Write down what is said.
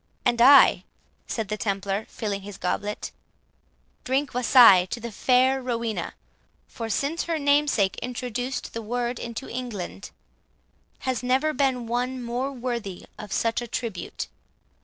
"And I," said the Templar, filling his goblet, "drink wassail to the fair Rowena; for since her namesake introduced the word into England, has never been one more worthy of such a tribute.